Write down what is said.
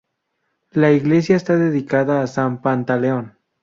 La iglesia está dedicada a san Pantaleón.